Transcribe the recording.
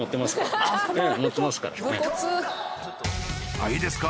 あぁいいですか？